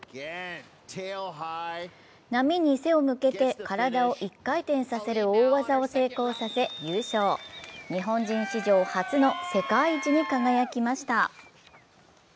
波に背を向けて体を一回転させる大技を成功させ優勝、日本人史上初の世界一に輝きました。